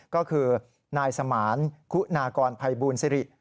ก็คือนายสมานคุณากรภัยบูลสิริ